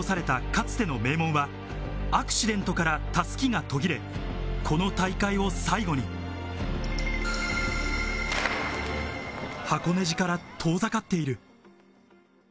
かつての名門は、アクシデントから襷が途切れ、この大会を最後に箱根路から遠ざかっている。